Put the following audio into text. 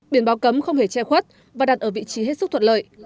biển báo cấm không hề che khuất và đặt ở vị trí hết sức thuận lợi